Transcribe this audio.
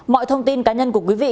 mọi thông tin cá nhân của quý vị